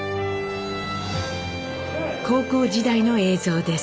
高校時代の映像です。